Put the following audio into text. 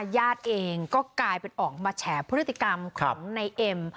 ญาติเองก็กลายเป็นออกมาแฉพฤติกรรมของนายเอ็ม